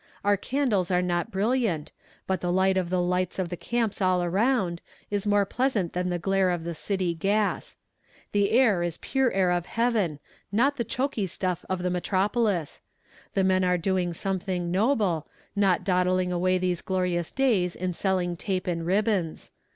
Our candles are not brilliant; but the sight of the lights of the camps all around, is more pleasant than the glare of the city gas. The air is the pure air of heaven, not the choky stuff of the metropolis. The men are doing something noble, not dawdling away these glorious days in selling tape and ribbons.